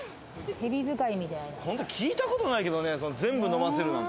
聞いたことないけどね全部飲ませるなんて。